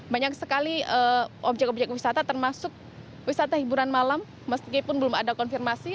banyak sekali objek objek wisata termasuk wisata hiburan malam meskipun belum ada konfirmasi